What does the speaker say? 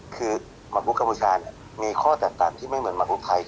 คือมักลูกกำมุชาเนี่ยมีข้อแตตตรันที่ไม่เหมือนมักลูกไทย